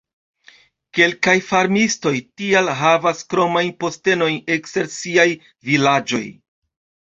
Kelkaj farmistoj tial havas kromajn postenojn ekster siaj vilaĝoj.